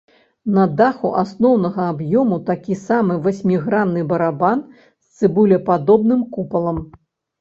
На даху асноўнага аб'ёму такі самы васьмігранны барабан з цыбулепадобным купалам.